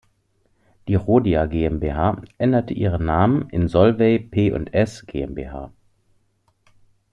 Die Rhodia GmbH änderte ihren Namen in Solvay P&S GmbH.